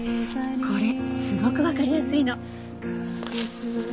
これすごくわかりやすいの。